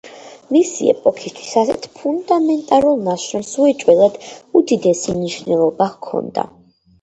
მისი ეპოქისთვის ასეთ ფუნდამენტალურ ნაშრომს უეჭველად უდიდესი მნიშვნელობა ჰქონდა.